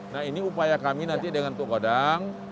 nah ini upaya kami nanti dengan tuk kodang